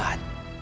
aku telah diangkat